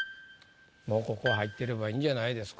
もうここ入ってればいいんじゃないですか？